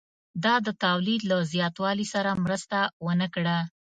دا د تولید له زیاتوالي سره مرسته ونه کړه